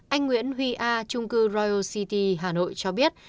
anh nguyễn huy a trung cư royo city hà nội cho biết